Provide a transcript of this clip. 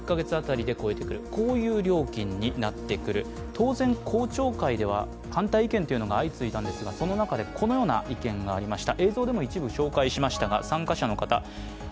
当然、公聴会では反対意見が相次いだんですがその中でこのような意見がありました。